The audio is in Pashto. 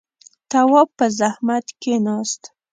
تواب په زحمت کېناست.